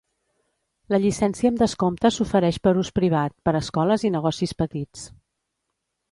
La llicència amb descompte s'ofereix per ús privat, per escoles i negocis petits.